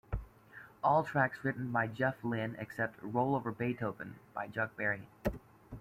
All tracks written by Jeff Lynne, except "Roll Over Beethoven" by Chuck Berry.